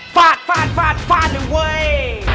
ฟาดฟาดฟาดฟาดเลยเว้ย